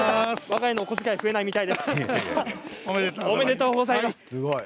おめでとうございます。